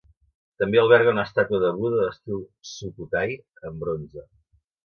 També alberga una estàtua de Buda d'estil Sukhothai en bronze.